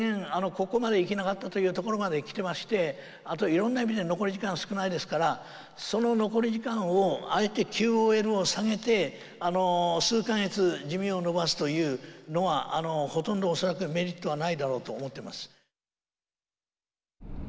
ここまで生きなかったというところまで来てましてあといろんな意味で残り時間少ないですからその残り時間をあえてＱＯＬを下げて数か月寿命を延ばすというのはほとんど恐らくメリットはないだろうと思ってます。